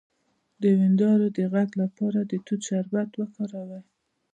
د وینادرو د غږ لپاره د توت شربت وکاروئ